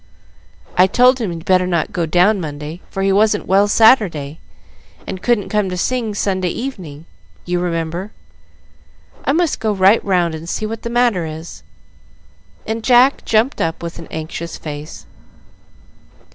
"I told him he'd better not go down Monday, for he wasn't well Saturday, and couldn't come to sing Sunday evening, you remember. I must go right round and see what the matter is;" and Jack jumped up, with an anxious face.